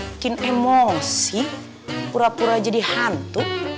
bikin emosi pura pura jadi hantu